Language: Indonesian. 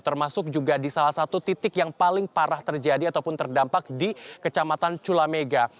termasuk juga di salah satu titik yang paling parah terjadi ataupun terdampak di kecamatan culamega